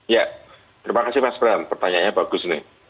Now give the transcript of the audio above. ya terima kasih mas bram pertanyaannya bagus nih